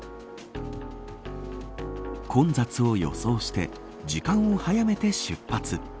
混雑を予想して時間を早めて出発。